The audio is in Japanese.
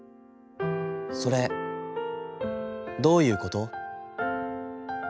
『それ、どういうこと』。